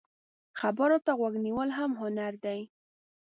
خبرو ته غوږ نیول هم هنر دی